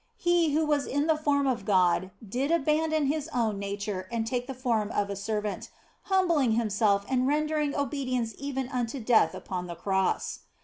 He who was in the form of God did abandon His own nature and take the form of a servant, humbling Himself and rendering obedience even unto death upon the Cross.